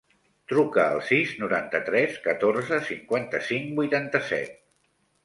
Truca al sis, noranta-tres, catorze, cinquanta-cinc, vuitanta-set.